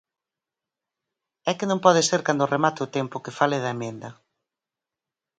É que non pode ser cando remate o tempo que fale da emenda.